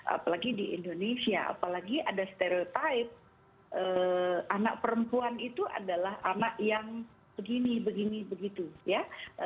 apalagi di indonesia apalagi ada stereotype anak perempuan itu adalah anak yang begini begini begitu ya